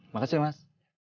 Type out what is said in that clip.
makasih ya mas